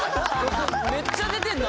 めっちゃ出てんな！